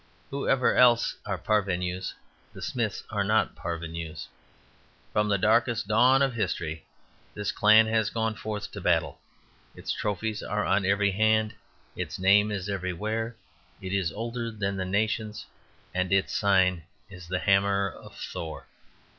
Whoever else are parvenus, the Smiths are not parvenus. From the darkest dawn of history this clan has gone forth to battle; its trophies are on every hand; its name is everywhere; it is older than the nations, and its sign is the Hammer of Thor.